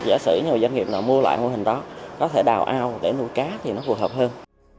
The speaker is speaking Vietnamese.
giả sử nhiều doanh nghiệp nào mua lại mô hình đó có thể đào ao để nuôi cá thì nó phù hợp hơn